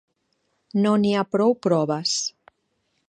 No n'hi ha prou proves.